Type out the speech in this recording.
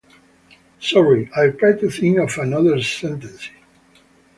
Sorry, I'll try to think of another sentence...